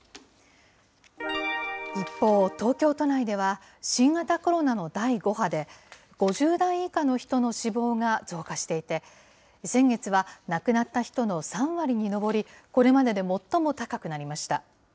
一方、東京都内では新型コロナの第５波で、５０代以下の人の死亡が増加していて、先月は亡くなった人の３割に上り、これまでで最も高くなりました。